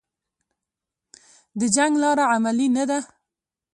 د جنګ لاره عملي نه ده